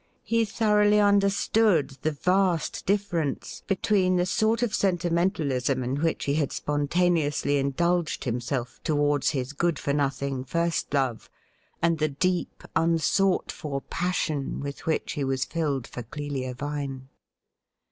He thoroughly understood the vast difference between the sort of senti mentalism in which he had spontaneously indulged himself towards his good for nothing first love, and the deep un sought for passion with which he was filled for Clelia Vine.